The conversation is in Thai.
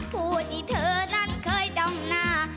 ผู้ที่เธอนั้นเคยจ้องหน้า